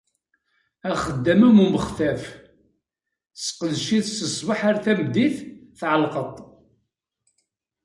Axeddam am umextaf. Seqdec-it si ṣṣbeḥ ar tmeddit, tɛellqeḍ-t.